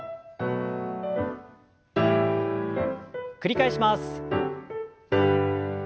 繰り返します。